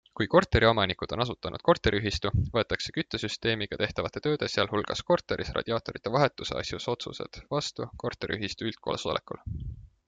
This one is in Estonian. Kui korteriomanikud on asutanud korteriühistu, võetakse küttesüsteemiga tehtavate tööde, sh korteris radiaatorite vahetuse asjus otsused vastu korteriühistu üldkoosolekul.